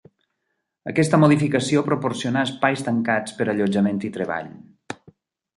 Aquesta modificació proporcionà espais tancats per allotjament i treball.